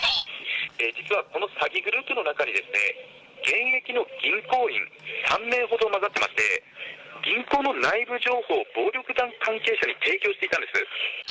実はこの詐欺グループの中に、現役の銀行員３名ほど交ざってまして、銀行の内部情報を暴力団関係者に提供していたんです。